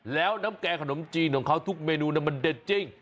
แล้วน้ำแกงขนมจีนของเขาทุกเมนูมันเด็ดจริง